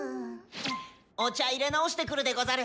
お茶いれ直してくるでござる。